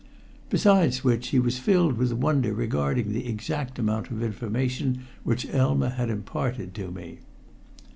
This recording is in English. Besides which, he was filled with wonder regarding the exact amount of information which Elma had imparted to me.